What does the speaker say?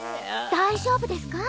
大丈夫ですか？